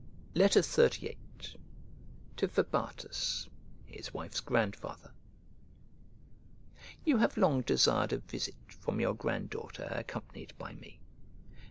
XXXVIII To FABATUS (HIS WIFE'S GRANDFATHER) You have long desired a visit from your grand daughter accompanied by me.